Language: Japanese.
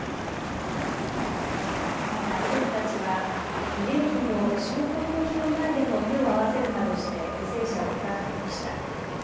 また遺族たちは慰霊碑の昇魂之碑の前でも手を合わせるなどして犠牲者を悼んでいました。